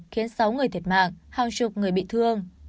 khiến sáu người thiệt mạng hàng chục người bị thương